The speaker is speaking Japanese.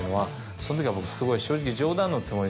その時は僕すごい正直。